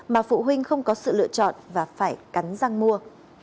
mà phụ huynh không có sự lựa chọn và phải cắn răng mua